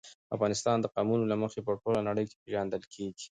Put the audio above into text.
افغانستان د قومونه له مخې په ټوله نړۍ کې پېژندل کېږي.